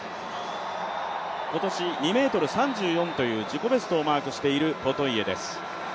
今年２ｍ３４という自己ベストをマークしているポトイエです。